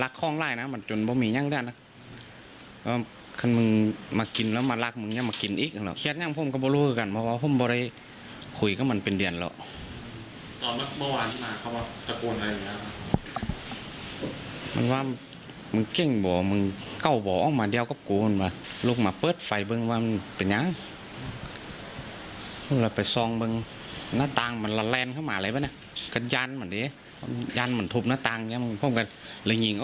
ค่ะส่วนพ่อกับแม่ของผู้ตายเนี่ยนะคะก็ไม่ได้อยู่ด้วยกันนะคะไปขายรถไลฟ์อยู่ที่จังหวัดประยอง